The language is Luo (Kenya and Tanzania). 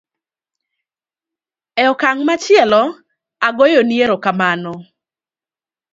e okang' machielo agoyo ni erokamano